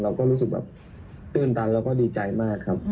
เราก็รู้สึกแบบตื่นตันแล้วก็ดีใจมากครับ